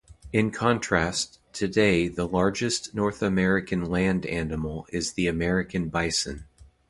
In contrast, today the largest North American land animal is the American bison.